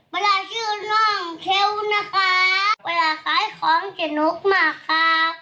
เวลาชื่อน้องเทลนะคะเวลาขายของสนุกมากค่ะ